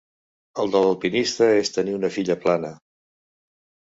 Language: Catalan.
El de l'alpinista és tenir una filla plana.